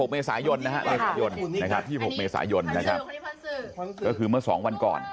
๒๖เมษายนคือเมื่อ๒วันก่อน